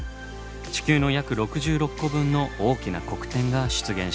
地球の約６６個分の大きな黒点が出現しました。